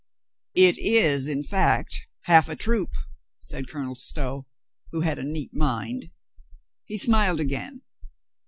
"It is in fact half a troop," said Colonel Stow, who had a neat mind. He smiled again.